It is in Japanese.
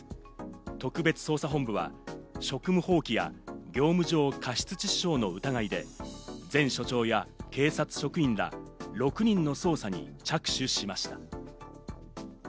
特別捜査本部は職務放棄や業務上過失致死傷などの疑いで前署長や警察職員ら６人の捜査に着手しました。